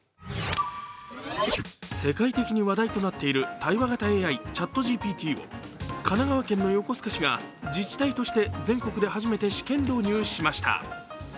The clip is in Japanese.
世界的に話題となっている対話型ＡＩ、ＣｈａｔＧＰＴを神奈川県の横須賀市が自治体として全国で初めて試験導入しました。